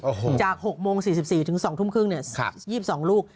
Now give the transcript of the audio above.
อ๋อคุณจาก๑๘๔๐นถึง๑๘๓๐นเนี่ย๒๒ลูก